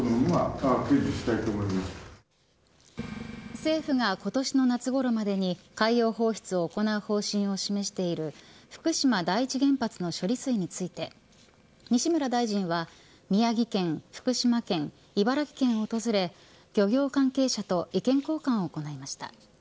政府が今年の夏ごろまでに海洋放出を行う方針を示している福島第一原発の処理水について西村大臣は宮城県、福島県、茨城県を訪れ漁業関係者と意見交換を行いました。